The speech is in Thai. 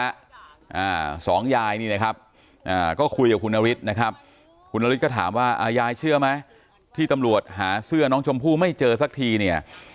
อ่าสองยายนี่นะครับอ่าก็คุยกับคุณนฤทธิ์นะครับคุณนฤทธิก็ถามว่าอ่ายายเชื่อไหมที่ตำรวจหาเสื้อน้องชมพู่ไม่เจอสักทีเนี่ย